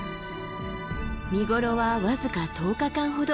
見頃は僅か１０日間ほど。